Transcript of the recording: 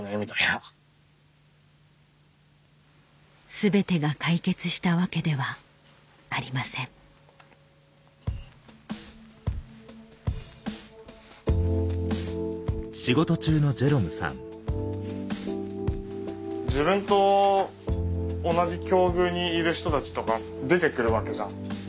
全てが解決したわけではありません自分と同じ境遇にいる人たちとか出て来るわけじゃん。